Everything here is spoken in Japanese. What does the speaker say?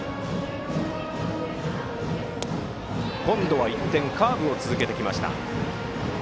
今度は一転カーブを続けました。